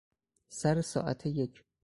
سر ساعت یک